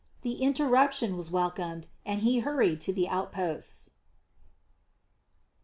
The interruption was welcome, and he hurried to the outposts.